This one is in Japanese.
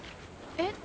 えっ？